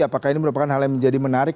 apakah ini merupakan hal yang menjadi menarik